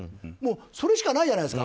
それしかないじゃないですか。